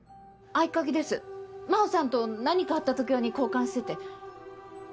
合鍵です真帆さんと何かあった時用に交換してて。